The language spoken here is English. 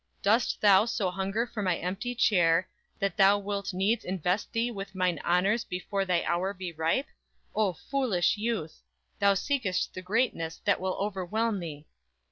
Dost thou so hunger for my empty chair, That thou wilt needs invest thee with mine honors Before thy hour be ripe? O, foolish youth! Thou seek'st the greatness that will overwhelm thee.